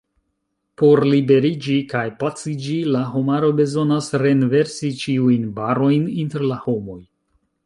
Por liberiĝi kaj paciĝi la homaro bezonas renversi ĉiujn barojn inter la homoj.